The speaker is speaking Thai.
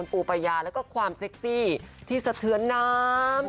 ปูปายาแล้วก็ความเซ็กซี่ที่สะเทือนน้ำ